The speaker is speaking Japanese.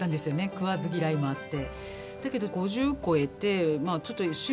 食わず嫌いもあって。